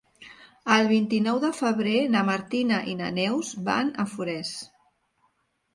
El vint-i-nou de febrer na Martina i na Neus van a Forès.